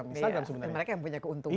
mereka yang punya keuntungan